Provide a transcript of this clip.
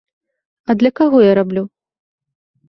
А для каго я раблю?